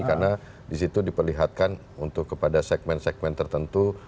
karena di situ diperlihatkan untuk kepada segmen segmen tertentu